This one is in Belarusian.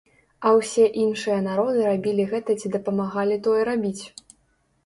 А ўсе іншыя народы рабілі гэта ці дапамагалі тое рабіць.